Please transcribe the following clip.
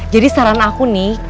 jadi saran aku nih